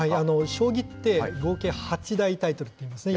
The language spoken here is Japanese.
将棋って、合計八大タイトルって言いますね。